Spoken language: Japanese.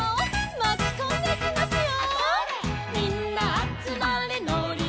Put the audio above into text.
「まきこんでいきますよ」